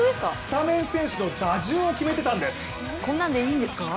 スタメン選手の打順を決めてたんです。